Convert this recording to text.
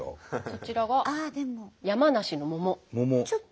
そちらが山梨の桃。